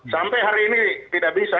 sampai hari ini tidak bisa